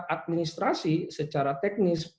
administrasi secara teknis